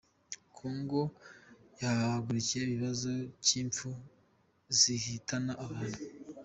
Congo yahagurukiye ikibazo cy’impfu zihitana abana